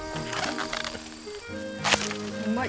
うまい！